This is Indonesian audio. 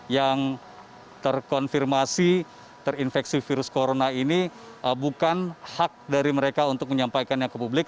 yang terkonfirmasi terinfeksi virus corona ini bukan hak dari mereka untuk menyampaikannya ke publik